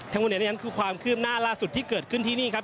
ทั้งหมดนี้นั้นคือความคืบหน้าล่าสุดที่เกิดขึ้นที่นี่ครับ